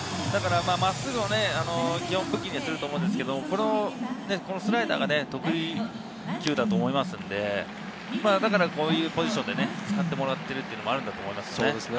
真っすぐを武器にすると思うんですけれど、このスライダーが得意だと思いますので、だからこういうポジションで使ってもらっているというのもあると思います。